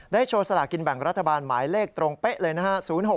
โชว์สลากินแบ่งรัฐบาลหมายเลขตรงเป๊ะเลยนะฮะ